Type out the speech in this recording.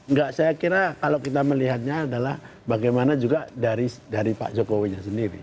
enggak saya kira kalau kita melihatnya adalah bagaimana juga dari pak jokowinya sendiri